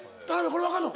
これ分かるの？